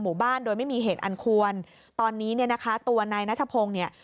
หมู่บ้านโดยไม่มีเหตุอันควรตอนนี้เนี่ยนะคะตัวนายนัทพงศ์เนี่ย